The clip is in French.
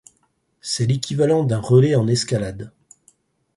C'est l'équivalent d'un relais en escalade.